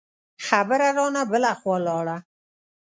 خبره رانه بله خوا لاړه.